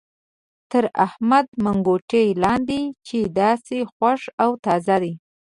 تر احمد منګوټی لاندې دی چې داسې خوښ او تازه دی.